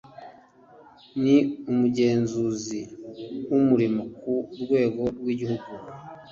ni umugenzuzi w’umurimo ku rwego rw’igihugu